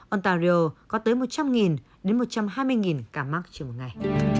ontario có tới một trăm linh đến một trăm hai mươi ca mắc trên một ngày